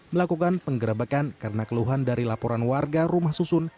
melakukan penggerebekan karena keluhan dari laporan warga rumah susun